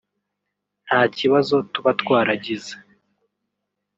nta kibazo tuba twaragize